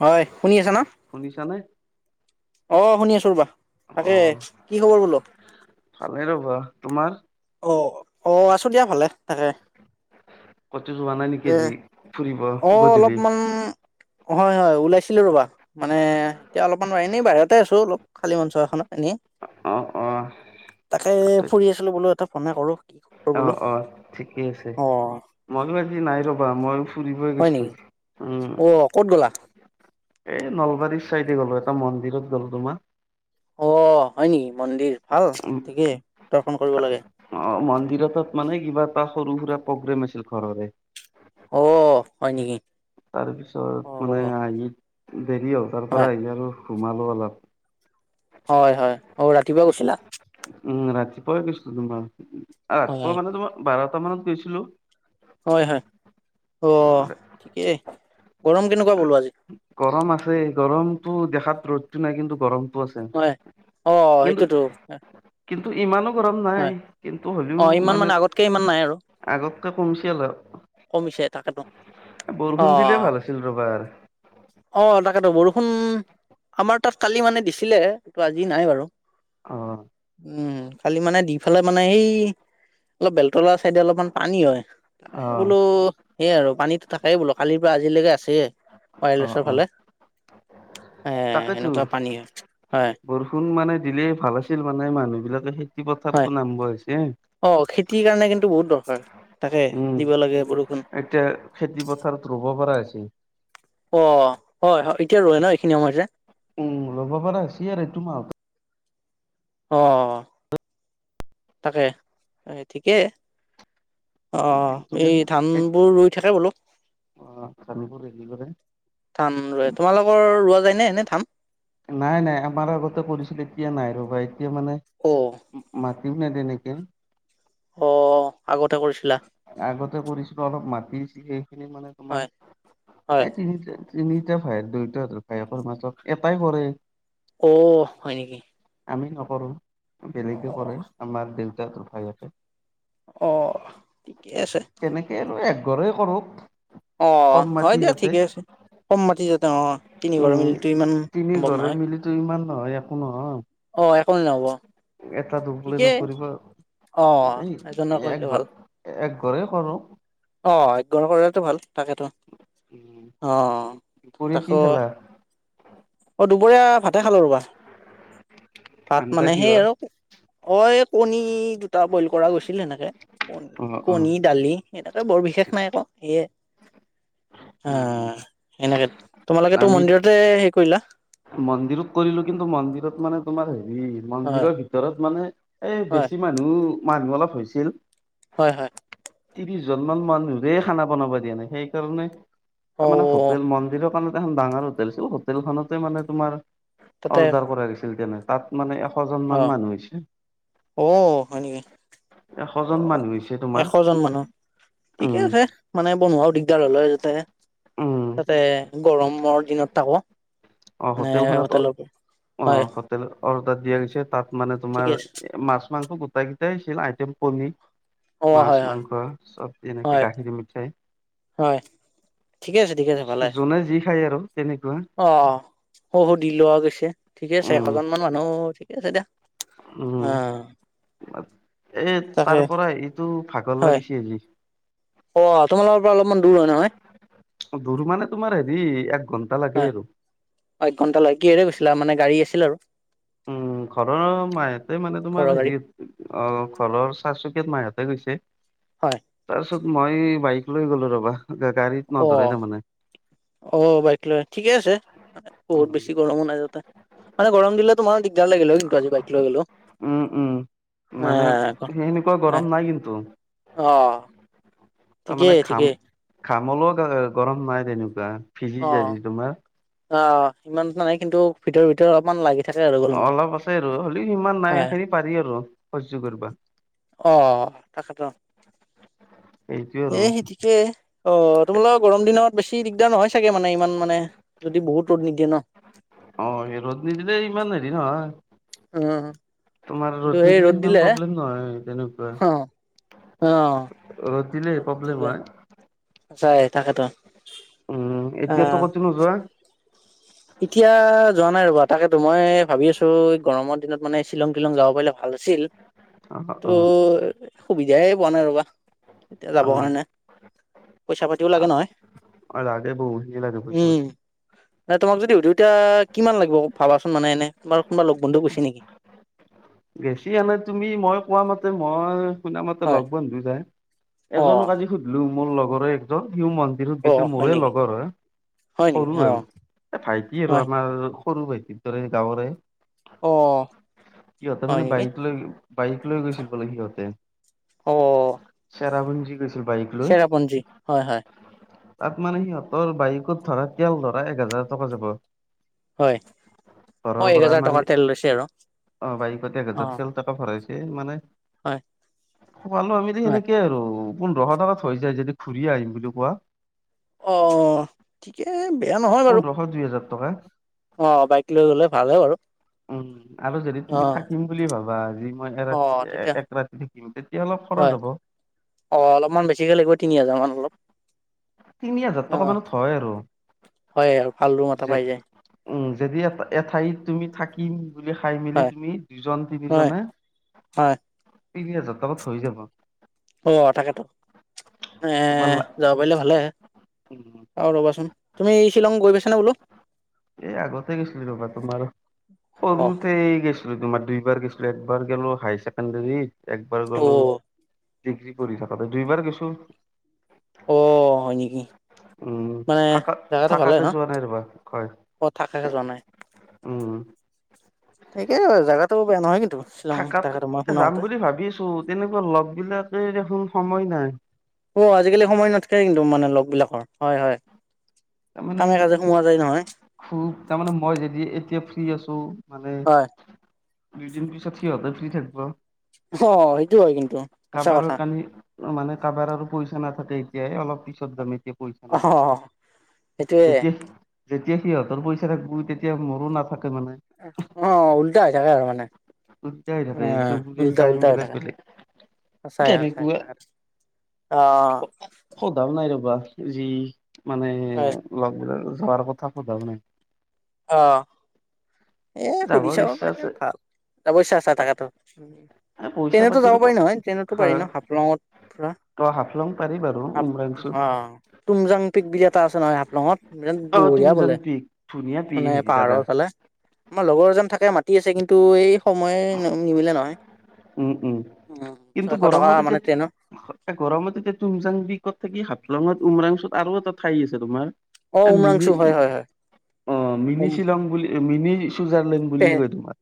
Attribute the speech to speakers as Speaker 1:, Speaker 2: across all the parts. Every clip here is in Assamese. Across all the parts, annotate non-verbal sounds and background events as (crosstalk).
Speaker 1: হয় শুনি আছ ন?
Speaker 2: শুনিছানে?
Speaker 1: অ শুনি আছো ৰ'বা। তাকে
Speaker 2: অ',
Speaker 1: কি খবৰ বোলো?
Speaker 2: ভালে ৰ'বা, তোমাৰ?
Speaker 1: অ অ আছো দিয়া ভালে তাকে।
Speaker 2: কতো যোৱা নাই নেকি
Speaker 1: এ
Speaker 2: আজি? ফুৰিব
Speaker 1: অ
Speaker 2: গধূলি?
Speaker 1: অলপমান হয় হয় ওলাইছিলোঁ ৰ'বা। মানে এতিয়া অলপমান এনেই বাহিৰতে আছো অলপ খালী মঞ্চ এখনত এনেই।
Speaker 2: অ', অ',
Speaker 1: তাকে ফুৰি আছিলো বোলো এটা ফোনে কৰো। কি খবৰ
Speaker 2: অ
Speaker 1: বোলো
Speaker 2: অ ঠিকে আছে,
Speaker 1: অ
Speaker 2: ময়ো আজি নাই ৰ'বা মই ফুৰিবই
Speaker 1: হয়
Speaker 2: গৈছিলো
Speaker 1: নেকি
Speaker 2: উম।
Speaker 1: অ ক'ত গ'লা
Speaker 2: এই নলবাৰীৰ চাইডে গ'লো এটা মন্দিৰত গ'লো তোমাৰ।
Speaker 1: অ হয় নেকি মন্দিৰ ভাল
Speaker 2: (inaudible)
Speaker 1: ঠিকেই দৰ্শন কৰিব লাগে।
Speaker 2: অ মন্দিৰ তাত মানে কিবা এটা সৰু সুৰা প্ৰগ্ৰেম আছিল ঘৰৰে।
Speaker 1: অ হয় নেকি।
Speaker 2: তাৰপিছত
Speaker 1: অ
Speaker 2: মানে আহি দেৰি হ'ল। তাৰ
Speaker 1: হয়
Speaker 2: পৰা আহি আৰু ঘুমালোঁ অলপ।
Speaker 1: হয় হয় অ ৰাতিপুৱা গৈছিলা?
Speaker 2: উম ৰাতিপুৱাই গৈছিলো তোমাৰ। আ
Speaker 1: হয়
Speaker 2: ৰাতিপুৱা মানে তোমাৰ বাৰটা মানত গৈছিলো।
Speaker 1: হয় হয় অ ঠিকেই, গৰম কেনেকুৱা বোলো আজি?
Speaker 2: গৰম আছে। গৰমটো দেখাত ৰ'দটো নাই কিন্তু গৰমটো আছে।
Speaker 1: হয় অ
Speaker 2: কিন্তু
Speaker 1: সেইটোতো
Speaker 2: কিন্তু ইমানো গৰম নাই
Speaker 1: হয়
Speaker 2: কিন্তু
Speaker 1: অ
Speaker 2: হ'লেও
Speaker 1: ইমান মানে আগতকে ইমান নাই আৰু।
Speaker 2: আগতকে কমিছি অলপ।
Speaker 1: কমিছে তাকেতো অ
Speaker 2: বৰষুণ দিলেই ভাল আছিল ৰ'বা আৰ।
Speaker 1: অ তাকেতো বৰষুণ ষুণ আমাৰ তাত কালি মানে দিছিলে ত আজি নাই বাৰু।
Speaker 2: অ।
Speaker 1: উম খালি মানে দি ফালে মানে সেই, অলপ বেলতলা চাইডে অলপমান পানী হয়।
Speaker 2: অ
Speaker 1: তাকে বোলো, সেয়া আৰু পানীতো থাকেই বোলো কালিৰ পৰা আজিলৈকে আছে। (unintelligible)
Speaker 2: অ অ
Speaker 1: ফালে এ
Speaker 2: তাকেতো
Speaker 1: সেনেকুৱা পানী হয়।
Speaker 2: বৰষুণ মানে দিলেই ভাল আছিল মানে মানুহ বিলাকে খেতি
Speaker 1: হয়
Speaker 2: পথাৰতো নামিব হৈছে।
Speaker 1: অ খেতিৰ কাৰণে কিন্তু বহুত দৰকাৰ, তাকে
Speaker 2: উম
Speaker 1: দিব লাগে বৰষুণ।
Speaker 2: এতিয়া খেতি পথাৰত ৰুব পৰা হৈছে।
Speaker 1: অ হয় হয় এতিয়া ৰুৱে ন এইখিনি সময়তে।
Speaker 2: উম ৰুব পাৰা হৈছে আৰু এইটো মাহতে
Speaker 1: অ তাকে এ ঠিকে অ
Speaker 2: কিন্তু
Speaker 1: এই
Speaker 2: দেখোন এক
Speaker 1: ধানবোৰ ৰুই থাকে বোলো।
Speaker 2: অ ধানবোৰ হেৰি কৰে।
Speaker 1: ধান ৰুৱে। তোমালোকৰ ৰোৱা যায় নে এনে ধান?
Speaker 2: নাই নাই আমাৰ আগতে কৰিছিল এতিয়া নাই ৰ'বা এতিয়া মানে
Speaker 1: অ।
Speaker 2: মাটিও নেদে এনেকে।
Speaker 1: অ আগতে কৰিছিলা?
Speaker 2: আগতে কৰিছিলো অলপ মাটি সেইখিনি মানে তোমাৰ
Speaker 1: হয় হয়
Speaker 2: এই তিনি তিনিটা ভায়েক, দুইটা ককায়েকৰ মাজত এটাই কৰে।
Speaker 1: অ'! হয় নেকি?
Speaker 2: আমি নকৰোঁ,
Speaker 1: অ
Speaker 2: বেলেগে কৰে। আমাৰ দেউতাৰ ভায়েকে।
Speaker 1: অ'! ঠিকে আছে।
Speaker 2: তেনেকে আৰু একঘৰে কৰোঁ।
Speaker 1: অ'! হয় দিয়া, ঠিকে আছে। কম মাটি যেতিয়া অ'! তিনিঘৰ
Speaker 2: উম
Speaker 1: মিলিতো ইমান
Speaker 2: তিনি
Speaker 1: সম্ভৱ নহয়।
Speaker 2: (unintelligible) ইমান নহয় একো নহয়।
Speaker 1: অ'! একো নহ'ব,
Speaker 2: এটা দুবলে
Speaker 1: ঠিকেই।
Speaker 2: নকৰিব
Speaker 1: অ'! এজনৰ কৰিলে ভাল।
Speaker 2: একঘৰে কৰোঁ।
Speaker 1: অ'! একঘৰে কৰিলেতো ভাল। তাকেতো!
Speaker 2: উম,
Speaker 1: অ'
Speaker 2: দুপৰীয়া কি
Speaker 1: তাকো,
Speaker 2: খেলা
Speaker 1: অ'! দুপৰীয়া ভাতে খালোঁ ৰ'বা, ভাত
Speaker 2: আঞ্জা
Speaker 1: মানে সেই
Speaker 2: কিহৰ
Speaker 1: আৰু। মই কণী দুটা বইল কৰা গৈছিল এনেকে, ক-
Speaker 2: অ অ
Speaker 1: কণী, দালি। এনেকে বৰ বিশেষ নাই‌ আকৌ, সেয়ে।
Speaker 2: উম
Speaker 1: আঁ এনেকে তোমালোকেতো
Speaker 2: আমি
Speaker 1: মন্দিৰতে সেৰি কৰিলা?
Speaker 2: মন্দিৰত কৰিলোঁ। কিন্তু, মন্দিৰত মানে, তোমাৰ সেৰি
Speaker 1: হয়
Speaker 2: মন্দিৰৰ ভিতৰত মানে, এই
Speaker 1: হয়
Speaker 2: বেছি মানুহ, মানুহ অলপ হৈছিল।
Speaker 1: হয়, হয়।
Speaker 2: ত্ৰিশ জনমান মানুহৰে খানা বনাব দিয়া নাই। সেইকাৰণে,
Speaker 1: অ
Speaker 2: তাৰমানে স মন্দিৰৰ কোণতে এখন ডাঙৰ হোটেল আছিল। হোটেলখনতে মানে, তোমাৰ
Speaker 1: তাতে
Speaker 2: অৰ্ডাৰ কৰাই লৈছিল, তেনে তাত। মানে, এশ জন
Speaker 1: অ
Speaker 2: মান মানুহ হৈছে।
Speaker 1: অ হয় নেকি
Speaker 2: এশ
Speaker 1: অ
Speaker 2: জন মানুহ হৈছে,
Speaker 1: এশ
Speaker 2: তোমাৰ।
Speaker 1: জন মানুহ ঠিকে
Speaker 2: উম
Speaker 1: আছে। মানে, বনোৱাও দিগদাৰ হ'ল হয় তাতে,
Speaker 2: উম
Speaker 1: তাতে গৰমৰ দিনত তাকো।
Speaker 2: অ
Speaker 1: মানে হোটেল, হয়।
Speaker 2: হোটেলত অৰ্ডাৰ দিয়া হৈছে। তাত মানে
Speaker 1: ঠিকে
Speaker 2: তোমাৰ,
Speaker 1: আছে
Speaker 2: মাছ-মাংস গোটেইকেইটাই আছিল, আইটেম পনীৰ।
Speaker 1: অ হয় হয়
Speaker 2: মাছ-মাংস চব এনেকে,
Speaker 1: হয়
Speaker 2: গাখীৰ মিঠাই।
Speaker 1: হয় ঠিকে আছে ঠিকে আছে ভালে
Speaker 2: যোনে যি খায় আৰু তেনেকুৱা।
Speaker 1: অ'! (unintelligible) দি লোৱা গৈছে, ঠিকে আছে,
Speaker 2: উম
Speaker 1: এশজন মান মানুহ ঠিকে আছে, দিয়া।
Speaker 2: উম, এ,
Speaker 1: তাকে
Speaker 2: তাৰপৰা এইটো ভাগৰ
Speaker 1: হয়।
Speaker 2: লাগিছে, আজি।
Speaker 1: অ'! তোমালোকৰ পৰা অলপ
Speaker 2: দূৰ মানে, তোমাৰ সেৰি, এক ঘন্টা লাগে আৰু।
Speaker 1: অ'! এক ঘণ্টা লাগে, কিহেৰে গৈছিলা? মানে গাড়ী আছিল আৰু।
Speaker 2: উম, ঘৰৰ মাহতে মানে,
Speaker 1: ঘৰৰ
Speaker 2: তোমাৰ
Speaker 1: গাড়ী।
Speaker 2: সেৰি অ'! ঘৰৰ চাৰচুকেত মাহহঁতে গৈছে।
Speaker 1: হয়,
Speaker 2: তাৰ পিছত, মই বাইক লৈ গ'লোঁ ৰ'বা, গাড়ীত
Speaker 1: অ',
Speaker 2: নধৰিলে মানে।
Speaker 1: অ'! বাইক লৈ, ঠিকে আছে। মানে, বহুত বেছি
Speaker 2: উম
Speaker 1: গৰমো নাই, তাতে। মানে, গৰম দিলে তোমাৰ দি দিগদাৰ লাগিলে অ'! কিন্তু আজি, বাইক লৈ গলোঁ।
Speaker 2: উম, উম। মানে, সেই সেনেকুৱা
Speaker 1: হয়,
Speaker 2: গৰম নাই কিন্তু।
Speaker 1: অ'!
Speaker 2: তাৰমানে
Speaker 1: ঠিকেই
Speaker 2: ঘাম,
Speaker 1: ঠিকেই,
Speaker 2: ঘাম উলাই গৰম নাই তেনেকুৱা, ফিজি যায়
Speaker 1: অ'।
Speaker 2: যে তোমাৰ।
Speaker 1: অ'! ইমান নাই কিন্তু, ভিতৰে-ভিতৰে অলপমান লাগে।
Speaker 2: অলপ আছে আৰু হ'লেও সিমান নাই,
Speaker 1: হয়,
Speaker 2: সেইখিনি পাৰি আৰু সহ্য কৰিব।
Speaker 1: অঁ! তাকেতো।
Speaker 2: এইটোৱে আৰু
Speaker 1: এই সেই ঠিকে, অ! তোমালোকৰ গৰম দিনত বেছি দিগদাৰ নহয় চাগে মানে ইমান মানে। যদি বহুত ৰ'দ নিদিয়ে ন?
Speaker 2: অঁ! সেই ৰ'দ নিদিলে ইমান হেৰি নহয়।
Speaker 1: অঁ!
Speaker 2: তোমাৰ ৰ'দ নিদিলে সিমান প্ৰব্লেম নহয় তেনেকুৱা।
Speaker 1: অ',
Speaker 2: ৰ'দ দিলেই প্ৰব্লেম হয়।
Speaker 1: চাই থাকেতো।
Speaker 2: উম! এতিয়াতো কতো নোযোৱা?
Speaker 1: এতিয়া যোৱা নাই ৰ'বা, তাকেতো মই ভাবি আছোঁ এই গৰমৰ দিনত মানে শ্বিলং-টিলং যাব পাৰিলে ভাল আছিল।
Speaker 2: অ
Speaker 1: টো
Speaker 2: অ
Speaker 1: সুবিধাই পোৱা নাই ৰবা এতিয়া
Speaker 2: অ
Speaker 1: যাবৰ কাৰণে। পইচা পাতিও লাগে নহয়।
Speaker 2: অ লাগে বহুখিনি লাগে পইচা
Speaker 1: উম! মানে তোমাক যদি সুধোঁ এতিয়া কিমান লাগিব ভাবা চোন মানে এনে তোমাৰ কোনোবা লগ বন্ধু গৈছে নেকি?
Speaker 2: বেছি আনে তুমি মই কোৱা মতে মই শুনা মতে
Speaker 1: হয়
Speaker 2: লগ বন্ধু যাই। এজনক
Speaker 1: অ',
Speaker 2: আজি সুধিলো মোৰ লগৰে একজন, সিও মন বিহুত গৈছিল
Speaker 1: অ', হয়
Speaker 2: মোৰে
Speaker 1: নেকি
Speaker 2: লগৰ হয়
Speaker 1: নেকি
Speaker 2: সৰু হয়।
Speaker 1: অ',
Speaker 2: এ ভাইটি আৰু
Speaker 1: হয়
Speaker 2: আমাৰ সৰু ভাইটিৰ দৰে গাঁৱৰে।
Speaker 1: অঁ!
Speaker 2: সিহঁতে মানে বাইক লৈ, বাইক লৈ গৈছিল বোলে সিহঁতে।
Speaker 1: অ',
Speaker 2: চেৰাপুঞ্জী গৈছিল বাইক লৈ।
Speaker 1: চেৰাপুঞ্জী হয় হয়
Speaker 2: তাত মানে সিহঁতৰ বাইকত ধৰা তেল ধৰা এক হেজাৰ টকা যাব।
Speaker 1: হয়। হয়, এক হাজাৰ টকা তেল লৈছে আৰু।
Speaker 2: অঁ! বাইকত এক হাজাৰ
Speaker 1: অ',
Speaker 2: তেল টকা ভৰাইছে মানে
Speaker 1: হয়
Speaker 2: পালোঁ আমি দে
Speaker 1: হয়।
Speaker 2: সেনেকেই আৰু। পোন্ধৰ হাজাৰ টকাত হৈ যায় যদি ঘূৰি আহিম বুলি কোৱা।
Speaker 1: অঁ! ঠিকে বেয়া নহয় বাৰু।
Speaker 2: হয় দুই হাজাৰ টকা,
Speaker 1: অ বাইক লৈ গ'লে ভালহে বাৰু
Speaker 2: উম আৰু যদি
Speaker 1: অ
Speaker 2: কিম বুলি ভাবা আজি মই
Speaker 1: অ
Speaker 2: এতি
Speaker 1: তেতিয়া
Speaker 2: এক ৰাতি থাকিম তেতিয়া অলপ খৰচ হ'ব।
Speaker 1: অঁ! অলপমান বেছিকে লাগিব তিনি হাজাৰ মান অলপ।
Speaker 2: তিনি হাজাৰ
Speaker 1: অ
Speaker 2: টকা মানত হয় আৰু।
Speaker 1: হয় আৰু ভাল ৰুম এটা
Speaker 2: যে
Speaker 1: পাই যায়।
Speaker 2: উম! যদি এ এঠাইত তুমি থাকি কিম বুলি খাই মেলি
Speaker 1: হয়
Speaker 2: তুমি দুজন,
Speaker 1: হয়
Speaker 2: তিনিজনে
Speaker 1: হয়
Speaker 2: তিনি হাজাৰ টকাত হৈ যাব।
Speaker 1: অ! তাকেতো, এ
Speaker 2: তোমাৰ লা
Speaker 1: যাব পাৰিলে ভালে
Speaker 2: উম
Speaker 1: আৰু ৰ'বা চোন। তুমি শ্বিলং গৈ
Speaker 2: এই আগতে গৈছিলোঁ ৰবা তোমাৰ,
Speaker 1: অ
Speaker 2: সৰুতে গৈছিল দুই তোমাৰ দুইবাৰ গৈছিলোঁ, একবাৰ গলো হাই ছেকেণ্ডৰীত, একবাৰ
Speaker 1: অ
Speaker 2: গ'লো ডিগ্ৰী পঢ়ি থাকোঁতে দুইবাৰ গৈছোঁ।
Speaker 1: অ! হয় নেকি?
Speaker 2: উম
Speaker 1: মানে
Speaker 2: থাকা
Speaker 1: জাগাত টো ভালে
Speaker 2: থাকাকে
Speaker 1: ন,
Speaker 2: যোৱা নাই ৰবা হয়
Speaker 1: অ থাকে যোৱা নাই।
Speaker 2: উম!
Speaker 1: ঠিকে হয় জাগাটো বেয়া নহয় কিন্তু। শ্বিলং
Speaker 2: থাকাত
Speaker 1: তাকেতো মই শুনা
Speaker 2: যাম
Speaker 1: মতে
Speaker 2: বুলি ভাবিছোঁ তেনেকুৱা লগবিলাকে দেখোন সময় নাই।
Speaker 1: অ! আজিকালি সময় নাথাকে কিন্তু মানে লগবিলাকৰ হয়-হয়।
Speaker 2: তাৰ মানে
Speaker 1: নহয়
Speaker 2: খুব তাৰমানে মই যদি এতিয়া ফ্ৰী আছো। মানে
Speaker 1: হয়
Speaker 2: দুইদিন পিছত সিহঁতে ফ্ৰী থাকিব।
Speaker 1: অ সেইটো হয় কিন্তু সঁচা কথা
Speaker 2: কাবাৰৰ কানি মানে কাৰোবাৰ আৰু পইচা নাথাকে এতিয়াই অলপ পিছত যাম এতিয়া। পইচা নাই
Speaker 1: অহ।
Speaker 2: যেতিয়া যেতিয়া সিহঁতৰ পইচা থাকব তেতিয়া মোৰো নাথাকে মানে।
Speaker 1: অ', উলতা হৈ থাকে আৰু মানে,
Speaker 2: উল্টা হৈ
Speaker 1: এ
Speaker 2: থাকে চবৰে
Speaker 1: উলতা
Speaker 2: টাইম
Speaker 1: উলতা হৈ
Speaker 2: বিলাক
Speaker 1: থাকে।
Speaker 2: বেলেগ
Speaker 1: সঁচাই সঁচাই
Speaker 2: তেনেকুৱা
Speaker 1: তাকে অ'।
Speaker 2: সোধাও নাই ৰ'বা যি মানে
Speaker 1: হয়
Speaker 2: লগবীলাক যোৱাৰ কথা সোধাও নাই।
Speaker 1: অ'। এ সুধি
Speaker 2: যাবৰ
Speaker 1: চাব
Speaker 2: ইচ্ছা
Speaker 1: পাৰে
Speaker 2: আছে
Speaker 1: ভাল যাৱ ইচ্ছা আছে তাকেতো।
Speaker 2: এ পইচা
Speaker 1: ট্ৰেইনতো যাব
Speaker 2: পাতিৰো
Speaker 1: পাৰি নহয়, ট্ৰেইনতো পাৰি
Speaker 2: হয়
Speaker 1: ন' হাফলঙত পৰা।
Speaker 2: ত' হাফলং পাৰি বাৰু উমৰাংচু।
Speaker 1: তুমজাং পিক বুলি এটা আছে নহয় হাফলঙত,
Speaker 2: অ
Speaker 1: বঢ়িয়া
Speaker 2: তুমজাং
Speaker 1: বোলে।
Speaker 2: পিক ধুনীয়া পি
Speaker 1: মানে
Speaker 2: হেৰি জাগা
Speaker 1: পাহাৰৰ ফালে। আমাৰ লগৰ এজন থাকে মাতি আছে কিন্তু এই সময়ে নিমিলে নহয়।
Speaker 2: উম, উম, কিন্তু
Speaker 1: ছয়শ টকা
Speaker 2: গৰমত
Speaker 1: মানে ট্ৰেইনৰ
Speaker 2: এতিয়া গৰমত এতিয়া তুমজাং পিকত থাকি হাফলঙত উমৰাংচুত আৰু এটা ঠাই আছে তোমাৰ।
Speaker 1: অ
Speaker 2: এ মিনি
Speaker 1: উমৰাংচু হয় হয় হয়
Speaker 2: অ', মিনি শ্বিলং বুলি মিনি চুইজাৰলেণ্ড বুলি
Speaker 1: উম
Speaker 2: কয় তোমাৰ।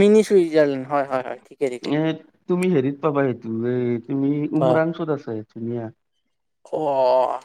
Speaker 1: মিনি চুইজাৰলেণ্ড হয়, হয়, হয়, ঠিকে ঠিকে।
Speaker 2: হে তুমি হেৰিত পাবা সেইটো এ তুমি উমৰাংচুত আছে ধুনীয়া।
Speaker 1: অ',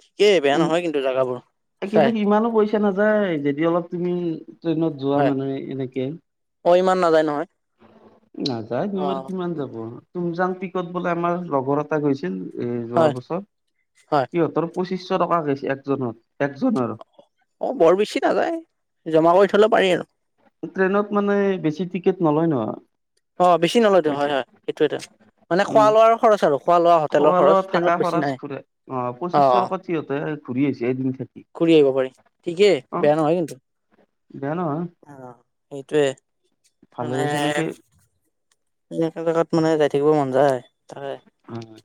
Speaker 1: ঠিকেই বেয়া নহয় কিন্তু জেগাবোৰ।
Speaker 2: এই কিন্তু
Speaker 1: হয়
Speaker 2: সিমানো পইচা নাযায় যদি অলপ তুমি ট্ৰেইনত যোৱা
Speaker 1: হয়
Speaker 2: মানে এনেকে।
Speaker 1: অ ইমান নাযায় নহয়
Speaker 2: নাযায়
Speaker 1: অ
Speaker 2: তুমাৰ কিমান যাব, তুমজাং পিকত বোলে আমাৰ লগৰ এটা গৈছিল। এই যোৱা
Speaker 1: হয়
Speaker 2: বছৰ
Speaker 1: হয়
Speaker 2: সিহঁতৰ পঁচিছশ টকা গৈছে একজনৰ একজনৰ।
Speaker 1: অ', বৰ বেছি নাযায়, জমা কৰি থ'লে পাৰি আৰু।
Speaker 2: ট্ৰেইনত মানে বেছি টিকেট নলয় ন'।
Speaker 1: অ', বেছি নলয়টো হয়, হয়, সেইটোয়েতো। মানে
Speaker 2: উম
Speaker 1: খোৱা লোৱাৰ খৰচ আৰু খোৱা লোৱা হোটেলৰ
Speaker 2: খোৱা
Speaker 1: খৰচ
Speaker 2: লোৱা
Speaker 1: ট্ৰেইনত
Speaker 2: থাকা
Speaker 1: বেছি
Speaker 2: খৰচ
Speaker 1: নাই
Speaker 2: ঘূৰে অ পঁচিছশ
Speaker 1: অ'।
Speaker 2: টকাত সিহঁতে ঘূৰি আহিছে এদিন থাকি
Speaker 1: ঘূৰি আহিব পাৰি ঠিকেই
Speaker 2: অ
Speaker 1: বেয়া নহয় কিন্তু।
Speaker 2: বেয়া নহয়।
Speaker 1: অ', সেইটোৱে
Speaker 2: ভালে
Speaker 1: মানে
Speaker 2: সেনেকে
Speaker 1: এনেকা জেগাত মানে যাই থাকিব মন যায় তাকে।
Speaker 2: অ'।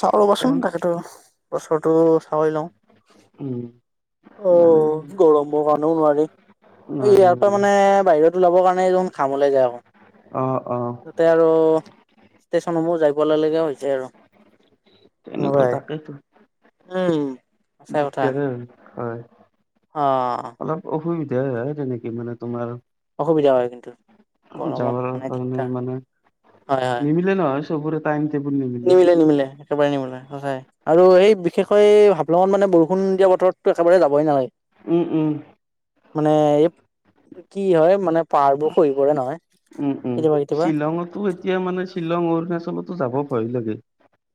Speaker 1: চাও
Speaker 2: তেওঁ
Speaker 1: ৰবাচোন তাকেতো বছৰটো চাই লওঁ।
Speaker 2: উম। মানে
Speaker 1: অ', গৰমৰ কাৰণেও নোৱাৰে। অ',
Speaker 2: নোৱাৰি
Speaker 1: ইয়াৰ পৰা
Speaker 2: নোৱাৰি
Speaker 1: মানে বাহিৰত ওলাবৰ কাৰণে দেখোন ঘাম ওলাই যায় আকৌ।
Speaker 2: অ', অ'।
Speaker 1: তাতে আৰু ষ্টেচনসমূহ যাই পোৱা লগে লগে হৈছে আৰু।
Speaker 2: তেনেকোৱা
Speaker 1: এনেকুৱাই
Speaker 2: তাকেইতো।
Speaker 1: উম, সঁচা কথা।
Speaker 2: দিগদাৰে হয়, হয়।
Speaker 1: অ,
Speaker 2: অলপ অসুবিধাই, তেনেকে মানে তোমাৰ
Speaker 1: অসুবিধা হয় কিন্তু গৰমত
Speaker 2: যাবাৰ
Speaker 1: মানে
Speaker 2: কাৰণে
Speaker 1: দিগদাৰ
Speaker 2: মানে,
Speaker 1: হয় হয়
Speaker 2: নিমিলে নহয়। চবৰে, টাইম টেবুল নি
Speaker 1: নিমিলে, নিমিলে। একেবাৰে নিবলে সঁচাই আৰু এই বিশেষকৈ হাফলঙত মানে বৰষুণ দিয়া বতৰতো একেবাৰে যাবই নালাগে।
Speaker 2: উম, উম,
Speaker 1: মানে এই কি হয় মানে, পাহাৰবোৰ খহি পৰে নহয় কেতিয়াবা কেতিয়াবা।
Speaker 2: শ্বিলংঙতো এতিয়া মানে শ্বিলং অৰুণচলতো যাব ভয় লাগে।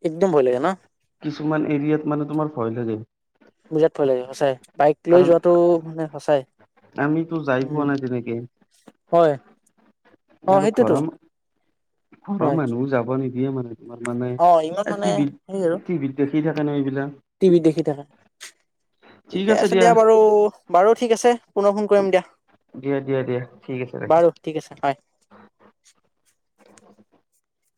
Speaker 1: একদম ভয় লাগে ন?
Speaker 2: কিছুমান এৰিয়াত মানে তোমাৰ ভয় লাগে।
Speaker 1: বিৰাট ভয় লাগে, সঁচাই বাইক লৈ
Speaker 2: কাৰণ
Speaker 1: যোৱাতটো মানে সঁচাই।
Speaker 2: আমিতো যাই পোৱা
Speaker 1: উম
Speaker 2: নাই তেনেকে।
Speaker 1: হয়। অ
Speaker 2: আৰু
Speaker 1: সেইটোতো
Speaker 2: ঘৰম, ঘৰৰ
Speaker 1: হয়
Speaker 2: মানুহ যাব নিদিয়ে মানে। তাৰ মানে,
Speaker 1: অ ইমান
Speaker 2: এই
Speaker 1: মানে সেই আৰু
Speaker 2: টিভিত টিভিত দেখি থাকে ন,
Speaker 1: টিভিত দেখি
Speaker 2: এইবিলাক।
Speaker 1: থাকে ঠিকে আছে দিয়া বাৰু, বাৰু ঠিক আছে, পুনৰ ফোন কৰিম দিয়া।
Speaker 2: দিয়া, দিয়া, দিয়া, ঠিক আছে
Speaker 1: বাৰু
Speaker 2: ৰাখিছো।
Speaker 1: ঠিক আছে হয়